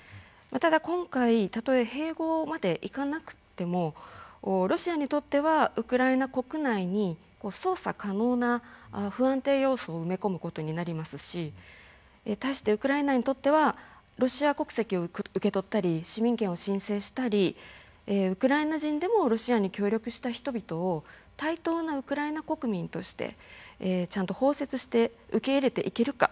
ただ、今回たとえ併合までいかなくてもロシアにとってはウクライナ国内に操作可能な不安定要素を埋め込むことになりますし対して、ウクライナにとってはロシア国籍を受け取ったり市民権を申請したりウクライナ人でもロシアに協力した人々を対等なウクライナ国民としてちゃんと包摂して受け入れていけるか。